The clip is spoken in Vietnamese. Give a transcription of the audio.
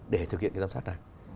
để thực hiện cái giám sát này